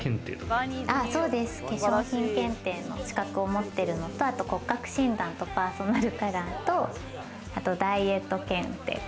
化粧品検定の資格を持ってるのと、あと骨格診断とかパーソナルカラーとダイエット検定か。